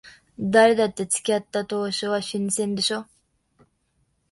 誰だって付き合った当初は新鮮でしょ。